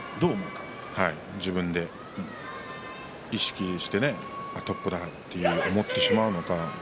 自分で意識してねトップだと思ってしまうのか